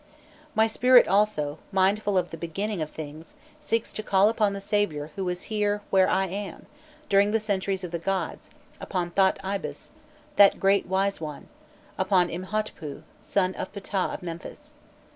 "My spirit also, mindful of the beginning of things, seeks to call upon the Saviour who was here where I am, during the centuries of the gods, upon Thot Ibis, that great wise one, upon Imhotpû, son of Phtah of Memphis.